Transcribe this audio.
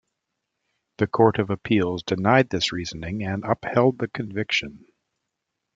The Court of Appeals denied this reasoning and upheld the conviction.